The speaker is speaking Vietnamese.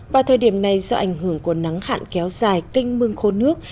vào thời điểm này do ảnh hưởng của nắng hạn kéo dài kênh mương khô nước